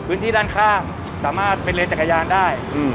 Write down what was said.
พื้นที่ด้านข้างสามารถเป็นเลนจักรยานได้